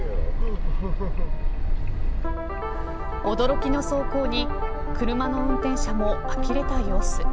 驚きの走行に、車の運転者も呆れた様子。